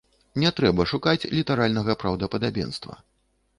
Не трэба шукаць літаральнага праўдападабенства.